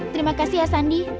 terima kasih ya sandi